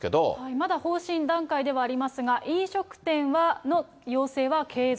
まだ方針段階ではありますが、飲食店の要請は継続。